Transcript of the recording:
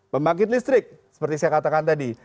membangkit listrik seperti saya katakan tadi